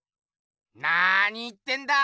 なーに言ってんだ！